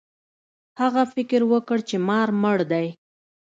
هغه فکر وکړ چې مار مړ دی.